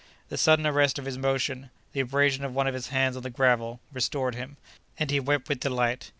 The sudden arrest of his motion, the abrasion of one of his hands on the gravel, restored him, and he wept with delight.